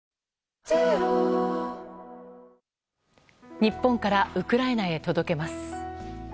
日本からウクライナへ届けます。